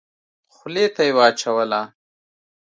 خولې ته يې واچوله.